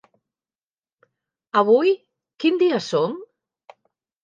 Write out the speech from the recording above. Avui quin dia som?